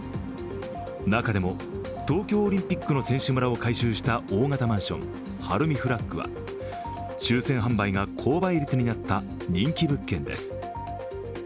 中でも、東京オリンピックの選手村を改修した大型マンションＨＡＲＵＭＩＦＬＡＧは抽選販売が高倍率になった人気物件です。